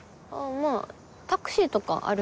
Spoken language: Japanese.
まぁタクシーとかあるし。